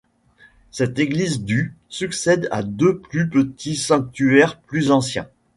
Cette église du succède à deux plus petits sanctuaires plus anciens.